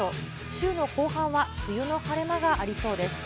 週の後半は梅雨の晴れ間がありそうです。